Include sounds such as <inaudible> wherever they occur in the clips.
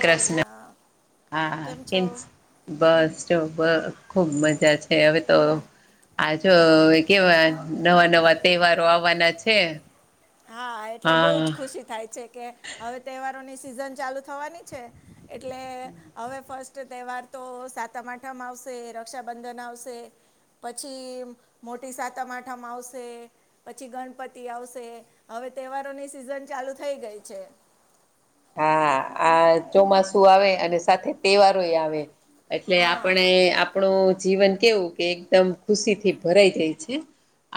તો જ ક્રષ્ણ હા કેમ છો હા <unintelligible> બસ જો બ ખુબ મજા છે હવે તો. આ જો હા કેવા નવા તહેવારો આવવાના છે. હા એટલે બઉુ હા જ ખુશ શી થાય છે. કે હવે તહેવારોની સિઝન ચાલુ થવાની છે એટલે હવે ફસ્ટ તહેવાર તો સાતમ આઠામાં આવશે રક્ષાબંધન આવશે પછી મોટી સાતમ માઠામ આવશે. પછી ગણપતિ આવશે હવે તહેવારોની સિઝન ચાલુ થઈ ગઈ છે. હા, આ ચોમાસું આવે અને સાથે તહેવારોઈ આવે. એટલે હા આપણે આપણું જીવન કેવું કે એકદમ ખુશીથી ભરાઈ જાય છે.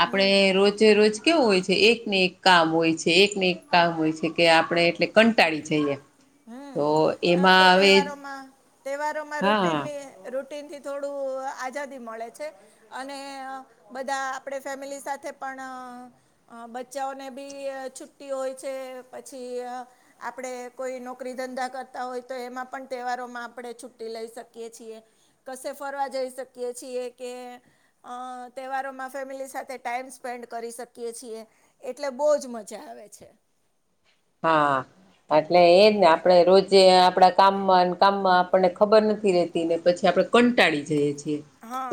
આપડે રોજે રોજ કેવું હોય છે એક ને એક કામ હોય છે એકને એક કામ હોય છે કે આપણે એટલે કંટાળી જઈએ. હમ તો અ તો એમાં હવે તહેવારોમાં તહેવારોમાં હા રૂટિનની રૂટિનથી થોડું આઝાદી મળે છે. અને બધા આપડે ફેમિલી સાથે પણ અહ બચ્ચાઓને બી છુટ્ટી હોય છે પછી આપડે કોઈ નોકરી ધંધા કરતા હોય તો એમાં પણ તહેવારોમાં આપણે છુટ્ટી લઈ શકીએ છીએ. કશે ફરવા જઈ શકીએ છીએ કે અહ તહેવારોમાં ફેમિલી સાથે ટાઈમ સ્પેન્ડ કરી શકીએ છીએ. એટલે બહુજ મજા આવે છે. હા. એટલે એજને આપણે રોજે આપડા કામમાં કામમાં આપણને ખબર નથી રે ને પછી આપણે કંટાળી જઈએ છીએ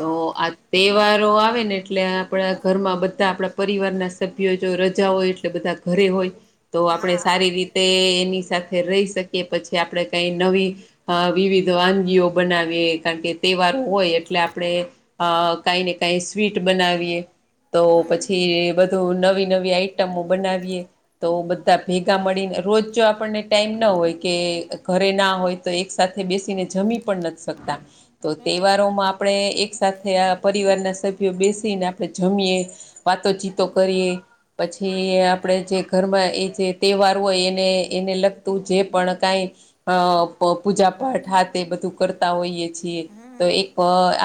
તો આ તહેવારો આવે ને એટલે આપણા ઘરમાં બધા આપણા પરિવારના સભ્યો જો રજા હોય એ ટલે બધા ઘરે હોય. <unintelligible> તો આપણે સારી રીતે એની સાથે રહી શકીએ પછી આપણે કંઈ નવી અ વિવિધ વાનગીઓ બનાવીએ કારણ કે તહેવારો હોય એટલે આપણે અ કઈ ને કઈ સ્વીટ બનાવીએ. તો હમ પછી બધું નવી નવી આઈટમો બનાવીએ તો ભેગા મળીને રોજ જો આપણને ટાઈમ ના હોય કે ઘરે ના હોય તો એક સાથે બેસીને જમી પણ નથી શકતા તો હમ તહેવારોમાં આપ ણે એક સાથે આ પરિવારના સભ્યો બેસીને આપણે જમીએ. વાતોચીતો કરીએ પછી આપણેે જે ઘરમાં એ હોય એને એને લગતું જે પણ કાંઈ અ પૂજા પાઠ હાથે બધું કરતા હોઈએ. છીએ હમ તો એક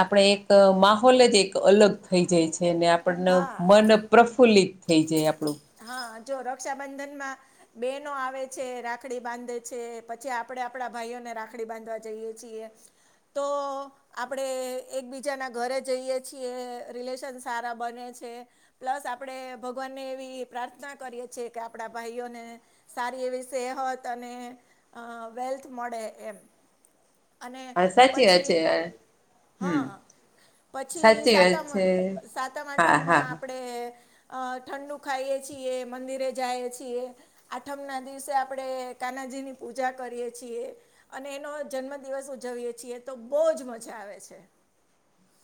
આપણે એક માહોલ જ એક અલગ થઈ જાય છે, ને આ પને હા મન પ્રફુલ્લિત થઈ જાય. આપણું હા, જો રક્ષાબંધનમાં બેનો આવે છે રાખડી બાંધે છે પછી આપણેે આપડા ભાઈઓને રાખડી બાંધવા જઈએ છીએ. તો આપણે એકબીજાના જઈએ છીએ. રિલેશન સારા બને છે. પ્લસ આપણે ભગવાનને એવી પ્રાર્થના કરીએ છીએ કે આપડા ભાઈઓને સારી એવી સેહત અને, અ વેલ્થ મડે એમ, અને હા સાચી વાત પછી છે હમ હા, પછી સાચી વાત સાતમ છે સાતમ આઠમ હા હા માં હા આપણેે, અ ઠંડુ ખાઈએ છીએ મંદિરે જાએ છીએ, આઠમના દિવસે આપડે કાનાજીની પૂજા કરીએ છીએ અને એનો જન્મ, દિવસ ઉજવીએ છીએ તો બહુજ મજા આવે છે,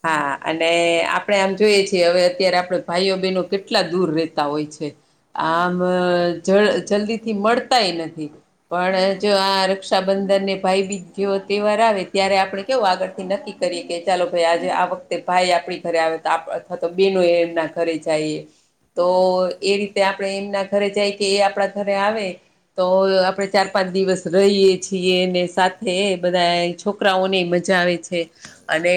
હા અને આપણે આમ જોઈએ છીએ, હવે અત્યારે આપણે ભાઈઓ બહેનો કેટલા દૂર રહેતા હોય છે, આમ જલ્દી થી મળતાય નથી. પણ આ રક્ષાબંધનને ભાઈબીજ જેવો તહેવાર આવે ત્યારે આપણે કેવું આગળથી નક્કી. કરીકે ચાલો, આજે આ વખતે ભાઈ આપણી ઘરે આવે તો અથવા તો બહેનો એમના ઘરે જાયએ, તો એરી તે આપણે એમના ઘરે જાય કેએ આપડા ઘરે આવે તો આપણે ચાર પાંચ દિવસ રહીએ, છીએને સાથે બધા છોકરાઓની મજા આવે છે, અને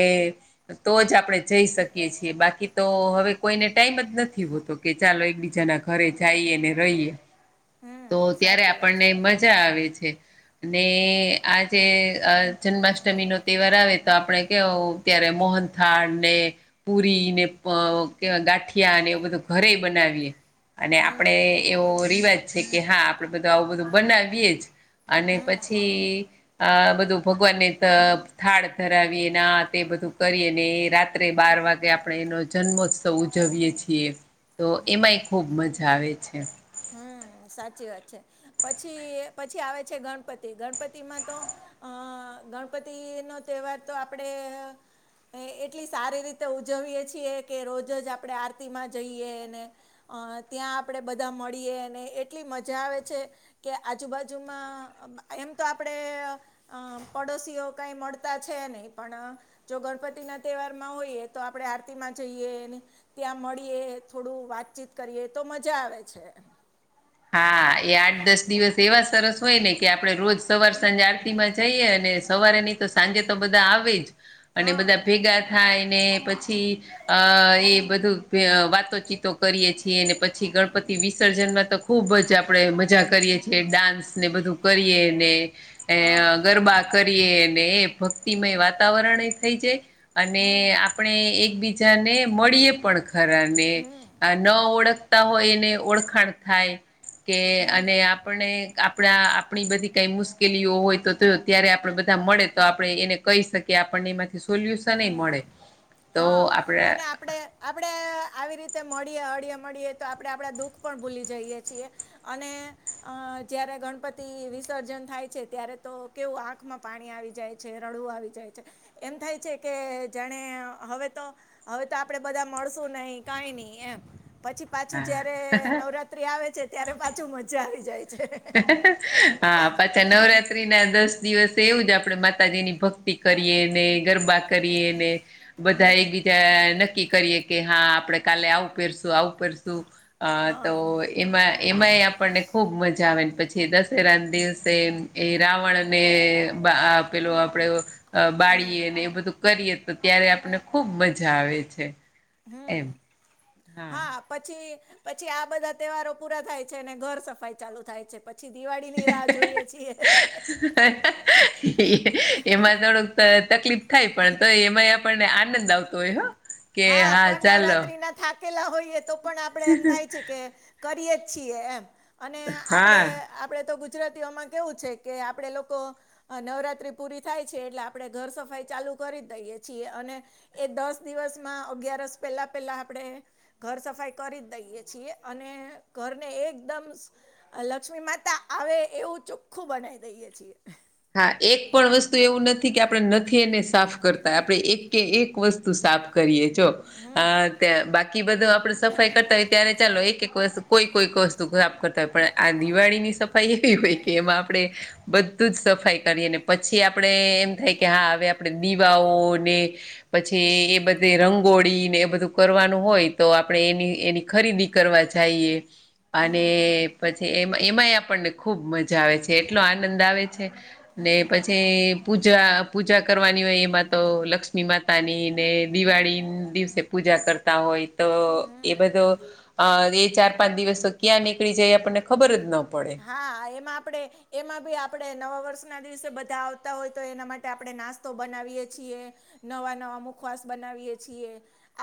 તો જ આપણે જઈ શકીએ છીએ બાકી તો હવે કોઈને ટાઈમ જ નથી હોતો, કે ચાલો એકબીજાના ઘરે જાઈએને રહીએ, <inaudible> તો ત્યારે સાચી વાત છે આપણને મ જા આવે છે, અને આજે જન્માષ્ટમીનો તહેવાર આવે તો આપણે કેવું ત્યારે મોહનથાળ ને, પુરીને પણ ગાંઠિયાને એ બધું ઘરે બનાવીએ, અને હમ આપડે એવો રિવાજ છે, કે હા આપડે બધા આઉં બધું બનાવીએ જ અને હમ પછી આ બધું ભગવાનને થ થાળ ધરાવીએ ન આ તે બધું કરીયે ને રાત્રે બાર વાગે આપણે એનો જન્મોત્સવ ઉજવીયએ છીએ, તો એમાં એ ખૂબ મજા આવે છે. હા સાચી વાત છે પછી પછી આવે છે ગણપતિ ગણપતિ માંતો અહ ગણપતિનો તહેવાર તો આપડે એ એટલી સારી રીતે ઉજવીએ છીએ કે રોજ જ આપણે આરતીમાં જઈએ અને અ ત્યાં આપડે બધા મળીએ અને એટલી મજા આવે છે કે આજુબાજુમાં એમ તો આપડે અહ પડોશીઓ કંઈ મળતા છે નહીં પણ જો ગણપતિ ના તહેવારમાં હોઈએ તો આપણે આરતીમાં જઈએ ને ત્યાં મળીએ થોડું વાતચીત કરીએ તો મજા આવે છે. હા એ આઠ દસ દિવસ એવા સરસ હોય ને કે આપડે રોજ સવાર સાંજે આરતીમાં જઈએ અને સવારે નહીં તો સાંજે તો બધા આવે જ અને હા બધા ભેગા થાય ને પછી અહ એ બધું વાતોચીતો કરીએ છીએ અને પછી ગણપતિ વિસર્જનમાંતો ખૂબ જ આપડે મજા કરીએ છીએ ડાન્સને બધું કરીએને એ હા ગરબા કરીએ ને એ ભક્તિમય વાતાવરણએ થઈ જાય, અને હમ આપણે એકબીજાને મળીએે પણ ખરાને હમ આ ન ઓળખતા હોય એને ઓળખાણ થાય, કે હમ અને આપને આપણા આપણી બધી કંઈ મુશ કેલીઓ હોય તો ત્યાં ત્યારે આપણે મળે તો આપણે એને કહી શકીએ આપણને એમાં સોલ્યુશન નહીં હમ મળે તો હા આપણે અને આપણે આપણે આવી રીતે મળીએ અળીએ મળીએ તો આપણે આપણા દુઃખ પણ ભૂલી જઈએ છીએ અને અહ જયારે ગણપતિ વિસર્જન થાય છે ત્યારે તો કેવું આંખમાં પાણી આવી જાય છે રડવું આવી જાય છે એમ થાય છે કે જેણે હવે તો હવે તો આપણેે બધા મળશુ નહી કઈ નહી એમ પછી પાછું હા જયારે નવરાત્રી આવે છે ત્યારે પાછું મજા આવી જાય છે હા પાછા નવરાત્ર ત્રીના દસ દિવસે એવું જ આપડે માતાજીની ભક્તિ કરીએ ને ગરબા કરીએ ને બધા એક હમ બીજા નક્કી કરીએ કે હા આપડે કાલે આવું પહેરશું આવું કરશું અહ તો હા એમાં એમાં ઈ આપણ ને ખુબ મ જા આવેને પછી દશેરા ના દિવસે એ રાવણ અને બ આ પેલો આપડે અહ હમ બાળીએે અને એ બધું કરીએ તો ત્યારે આપને ખુબ મજા આવે છે એમ હમ હા, પછી પછી આ બધા તહેવારો પૂરા થાય છે અને ઘર સફાઈ ચાલુ થાય છે. પછી દિવાળીની રાહ જોઈએ છીએ. <inaudible> એમાં થોડોક ત તકલીફ થાય પણ તો એમાંય આપણને આનંદ આવતો હોય હો હા, પણ નવત્રીના થાક કેલા હોઈએ તો પણ આપણે એમ થાય છે કે કરીએ જ છીએ એમ અને આપડે હા આપડે તો ગુજરાતીઓમાં કેવું છે કે આપડે લોકો આ નવરાત્રી પૂરી થાય છે એટલે આપણે ઘર સફાઈ ચાલુ કરી દઈએ છીએ અને એ દસ દિવસમાં અગિયારસ પેલા પેલા આપડે ઘર સફાઈ કરી જ દઈએ છીએ, અને ઘરને એકદમ લક્ષ્મી માતા આવે એવું ચોખ્ખું બનાવી દઈય છીએ. એક પણ વસ્તુ એવું નથી કે આપણે નથી એને સાફ કરતા, આપડે એક કે એક વસ્તુ સાફ કરીએ. જો હમ અત બાકી બધું આપડે સફાઈ કરતા હોય ત્યારે ચાલો એક એક વસ્તુ કોઈ વસ્ત તું કરતા હોય, પણ આ દિવાળીની સફાઈ એવી હોય કે એમાં આપડે બધું જ સફ સફાઈ કરી અને પછી આપણે એમ થાય કે હા, હવે આપણે દીવાઓને પછી એ બધે રંગોળી ને એ બધું કરવાનું હોય તો આપડે એની એની ખરીદી કરવા જાઈએ. અને હમ પછી એમાં એમાંય આપણને ખુબ મજા આવે છે, એટલો આનંદ આવે છે. ને હમ પછી પૂજા પૂજા કરવાની હોય એમાં તો લક્ષ્મી માતાની ને હમ દિવાળી ન હમ દિવસે પૂજા કરતા હોય. તો એ હમ બધું અ એ ચાર-પાંચ દિવસ તો ક્યાં નીકળી જાય આપણને ખબર જ ના પડે. હા, એમાં આપડે, એમાં બી આપણે નવા વર્ષના દિવસે બધા આવતા હોય તો એના માટે આપણે નાસ્તા તો બનાવીએ છીએ, નવા-નવા મુખવાસ બનાવીયએ છીએ.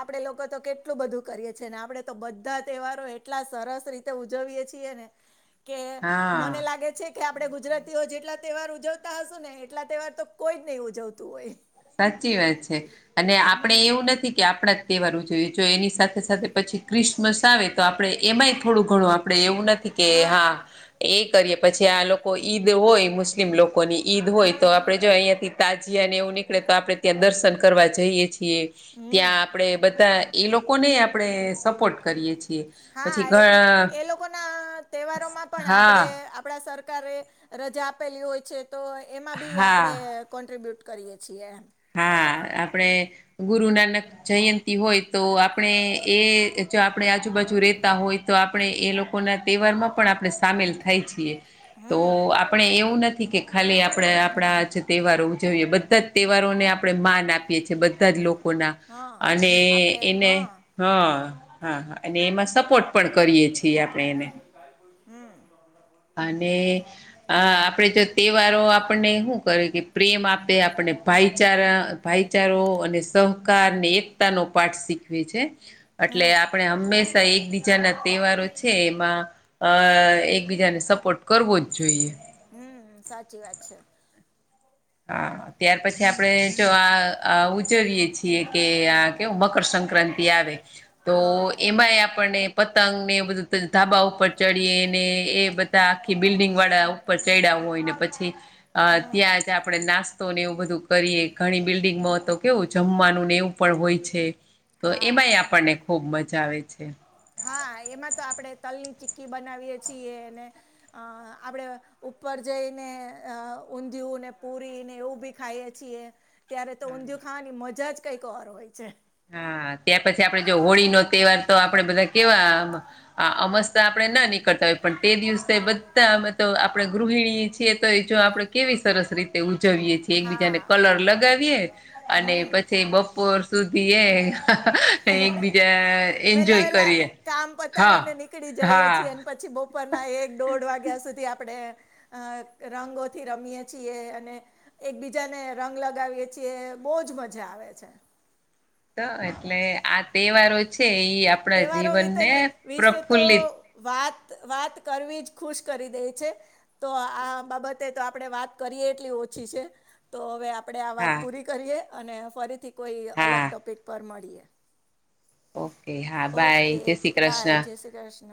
આપણે લોકો તો કેટલું બધું કરીએ છીએ, ને આપણે તો બધા તહેવારો એટલા સરસ રીતે ઉજવીએ છીએ ને કે હા મને લાગે છે કે આપણેે ગુજરાતીઓ જેટલા તહેવાર ઉજવતા હશુ ને, એટલા તહેવાર તો કોઈ જ નહી ઉજવતું હોય. સાચી વાત છે, અને આપડે હમ એવું નથી કે આપણા જ તહેવાર ઉજઈએ, જો એની સાથે સાથે પછી ક્રિસમસ આવે તો આપણે એમાંય થોડું ઘણું આપણે એવું નથી. કે હા, એ કરીએ પછી આ લોકો ઈદ હોય મુસ્ લોકોની ઈદ હોય તો હમ આપણે જો અહીંથી તાજીયા અને એવું ની એટલે તો આપડે ત્યાં દર્શન કરવા જઈએ છીએ ત્યાં હમ આપડે બધા એ લોકોને આપણે સપોર્ટ કરીએ છીએ. હા, પછી ઘ એટલે એ લોકો ના તહેવારોમાં પણ આપણેે હા આપણા સરકારે રજા આપેલી હોય છે, તો એમાં બી આપણે હા કોન્ટ્રીબ્યૂટ કરીએ છીએ એમ. હા, આપણે ગુરુ નાનક જયંતી હોય, તો આપણે એ જો આપણે આજુબાજુ રેતા હોય. તો આપણે એ લોકોના તહેવારમાં પણ આપણે સામેલ થાય છીએ.. તો હમ આપણે એવું નથી કે ખાલી આપણે આપણા જ તહેવારો ઉજવીએ બધા જ તે વારોને આપણે માન આપીએ છીએ, બધા જ લોકોના હા અને આપણે એને હા હા, હા હા અને એમાં સપોર્ટ પણ કરીએ છીએ. આપણે એને હમ્મ. અને આ આપડે જો તહેવારો આપણને હુ કરે કે પ્રેમ આપે આપણને ભાઈચારા ભાઈચારો અને સહકારને એક તા નો પાઠ શીખવે છે, એટલે હમ આપણે હંમેશા એકબીજાના તહેવારો છે, એમાં અ એકબીજાને સપોર્ટ કરવો જ જોઈએ. હમ્મ, સાચી વાત છે. હા, ત્યાર પછી આપણેે જો આ આ ઉજવીયએ છીએ કે આ કેવુ મકરસક્રાંતિ આવે, તો હા એમાં એ આપણને પતંગ ને એ બધું, પછી ધાબા ઉપર ચડીએ, ને એ બધા આખી બિલ્ડીંગવાળા ઉ પર ચઇડયા હોય ને પછી અ હમ ત્યાંજ આપણે નાસ્તો નાસ્તો ને એવું બધું કરીએ, ઘણી બિલ્ડિંગમાં તો કેવું જમવાનું ને એવું પણ હોય છે. તો હા એમાંય આપણને ખુબ મજા આવે છે. હા, એમાં તો આપણેે તલ ની ચી્કી બનાવીયએ છીએને. અ આપડે ઉપર જઈને અ ઊંધિયું ને પૂરી ને એવું બી ખાઈએ છીએ ત્યારે તો ઊંધિયું ખાવાની મજા જ કંઈક ઔર હોય છે. હા, ત્યાર પછી આપડે જો હોળી નો તહેવાર તો આપડે બધા કેવા આ અમસ્તા આપણે ના નીકળતા હોય પણ તે દિવસે બધા અમે તો આપણે ગૃહિણી છીએ તોય જો આપણે કેવી સરસ રીતે ઉજવીય છીએ એકબીજાને હા કલર લગાવીએ અને હમ પછી બપોર સુધી પીએ <inaudible> એકબીજા વેલા એન્જોય વેલા કરીએ, કામ હા, પતાવીને નીકળી જઈએ છીએ હા અને પછી બપોરના એક દોઢ વાગ્યા સુધી આપણે અ રંગોથી રમીએ છીએ અને એકબીજાને રંગ લગાવીએ છીએ, બહુજ મજા આવે છે. તો એટલે આ તહેવારો છે એ આપ તહેવારો વિતે વિશે તો વાત કરવી જ ખુશ કરી દે છે. તો આ બાબતે તો આપણેે વાત કરીએ એટલી ઓછી છે. તો હવે આપણે આ વાત હા પૂરી કરીએ, અને ફરીથી કોઈ અલગ હા ટોપિક પર મળીએ. ઓકે હા ઓકે, બાય જય શ્રી જ બાય કૃષ્ણ જય શ્રીકૃષ્ણ